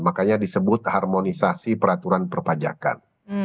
makanya disebut harmonisasi peraturan perpajakan